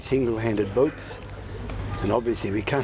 คุณจะเรียกราบเกี่ยวกับ